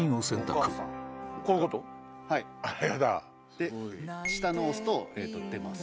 で下の押すと出ます。